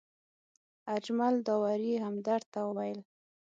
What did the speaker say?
اجمل داوري همدرد ته وویل.